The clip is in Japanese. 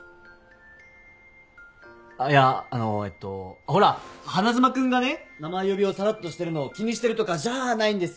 あっいやあのえっとほら花妻君がね名前呼びをさらっとしてるのを気にしてるとかじゃあないんですよ。